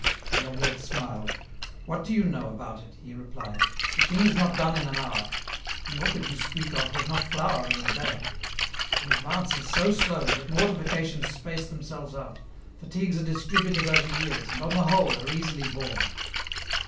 The oblate smiled. " What do you know about it ?" he replied, " the thing is not done in an hour ; the orchid you speak of does not flower in a day ; the advance is so slow, that mortifications space themselves out, fatigues are distributed over years, and, on the whole, are easily borne.